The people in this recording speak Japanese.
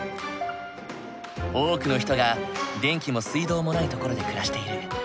多くの人が電気も水道もない所で暮らしている。